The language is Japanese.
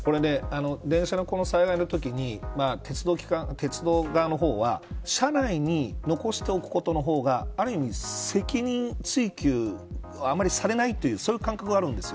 電車の災害のときに鉄道側の方は車内に残しておくことの方がある意味、責任追及をあまりされないというそういう感覚があるんですよ。